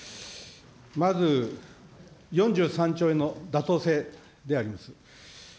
まず４３兆円の妥当性であります。